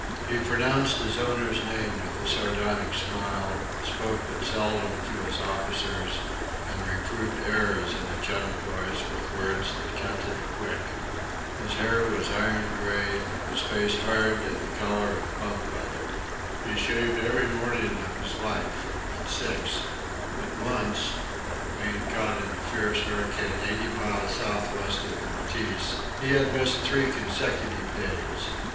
He pronounced his owner's name with a sardonic smile, spoke but seldom to his officers, and reproved errors in a gentle voice, with words that cut to the quick. His hair was iron grey, his face hard and of the colour of pump leather. He shaved every morning of his life at six but once (being caught in a fierce hurricane eighty miles southwest of Mauritius) he had missed three consecutive days.